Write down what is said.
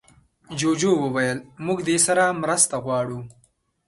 جوجو وویل موږ دې سره مرسته غواړو.